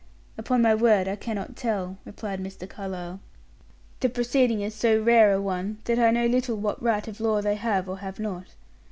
"Upon my word I cannot tell," replied Mr. Carlyle. "The proceeding is so rare a one, that I know little what right of law they have or have not.